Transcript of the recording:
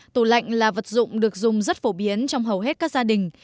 tủ lạnh là vật dụng được dùng rất phổ biến trong hầu hết các giai đoạn